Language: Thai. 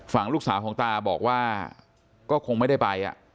ฝั่งลูกสาวของตาบอกว่าก็คงไม่ได้ไป